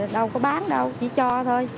đâu có bán đâu chỉ cho thôi